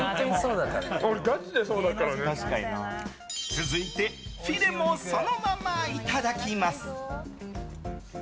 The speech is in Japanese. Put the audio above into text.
続いてフィレもそのままいただきます。